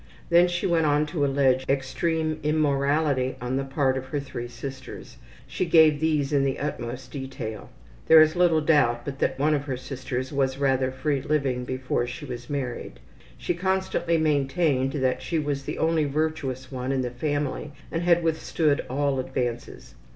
Then she went on to allege extreme immorality on the part of her three sisters. She gave these in the utmost detail. (There is little doubt but that one of her sisters was rather free living before she was married.) She constantly maintained that she was the only virtuous one in the family and had withstood all advances.